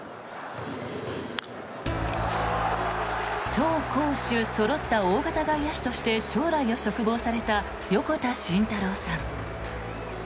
走攻守そろった大型外野手として将来を嘱望された横田慎太郎さん。